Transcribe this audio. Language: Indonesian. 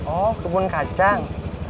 oh kebun kacang